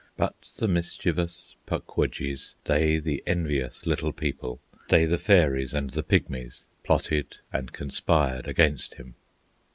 But the mischievous Puk Wudjies, They the envious Little People, They the fairies and the pygmies, Plotted and conspired against him.